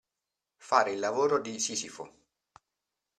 Fare il lavoro di Sisifo.